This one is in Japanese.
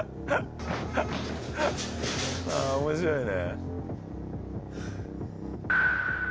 ああ面白いね。